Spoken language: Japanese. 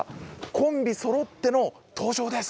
コンビそろっての登場です！